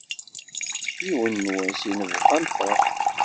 Yiwen n wass i nebɣa ad nefṛeḥ.